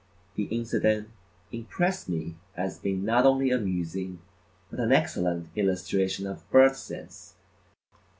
The incident impressed me as being not only amusing but an excellent illustration of "bird sense."